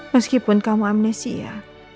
meskipun kamu amnesia